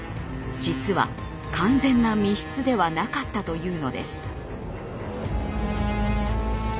実は完全な密室ではなかったというのです。